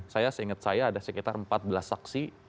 saya seingat saya ada sekitar empat belas saksi